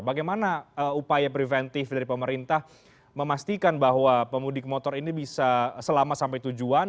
bagaimana upaya preventif dari pemerintah memastikan bahwa pemudik motor ini bisa selama sampai tujuan